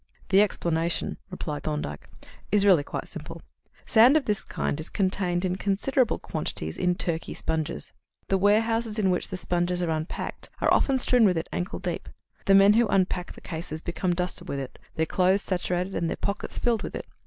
"The explanation," replied Thorndyke, "is really quite simple. Sand of this kind is contained in considerable quantities in Turkey sponges. The warehouses in which the sponges are unpacked are often strewn with it ankle deep; the men who unpack the cases become dusted over with it, their clothes saturated and their pockets filled with it.